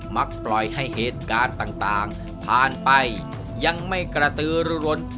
มักปล่อยให้เหตุการณ์ต่างผ่านไปยังไม่กระตือรน